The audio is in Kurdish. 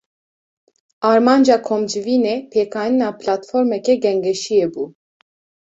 Armanca komcivînê, pêkanîna platformeke gengeşiyê bû